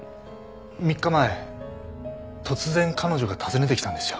３日前突然彼女が訪ねてきたんですよ。